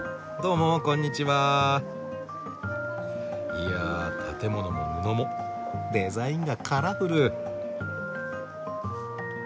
いやあ建物も布もデザインがカラフル。